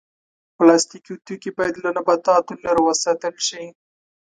پلاستيکي توکي باید له نباتاتو لرې وساتل شي.